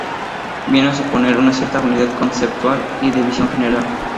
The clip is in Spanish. Vienen a suponer una cierta unidad conceptual y de visión general.